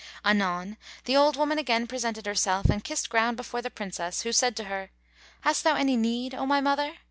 [FN#150] Anon the old woman again presented herself and kissed ground before the Princess, who said to her, "Hast thou any need, O my mother?"